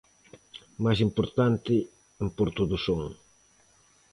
O máis importante en Porto do Son.